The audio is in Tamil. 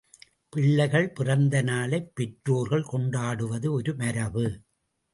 பிள்ளைகள் பிறந்த நாளைப் பெற்றோர்கள் கொண்டாடுவது ஒரு மரபு.